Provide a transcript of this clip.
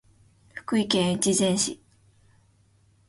福井県越前市